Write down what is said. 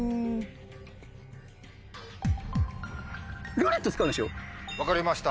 「ルーレット」使うなっしよ。